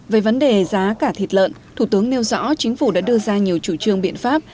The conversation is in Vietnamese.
về vấn đề giá cả thịt lợn thủ tướng nêu rõ chính phủ đã đưa ra nhiều chủ trương biện pháp